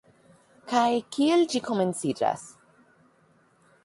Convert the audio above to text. Kaj kiel ĝi komenciĝas?